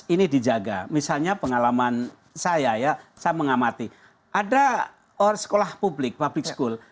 ini dijaga misalnya pengalaman saya ya saya mengamati ada sekolah publik public school